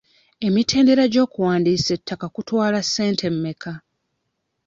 Emitendera gy'okuwandiisa ettaka kutwala ssente mmeka?